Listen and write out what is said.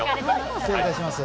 失礼いたします。